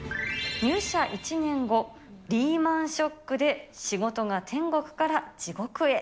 入社１年後、リーマンショックで仕事が天国から地獄へ。